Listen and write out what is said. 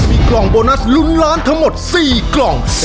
ครอบครัวของแม่ปุ้ยจังหวัดสะแก้วนะครับ